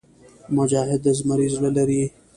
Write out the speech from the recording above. مجاهد د زمري زړه لري.